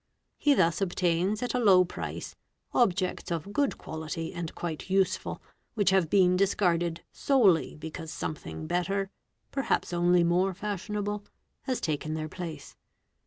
He thus obtains at a lo price objects of good quality and quite useful, which have been discarde solely because something better, perhaps only more fashionable, has t uke their place.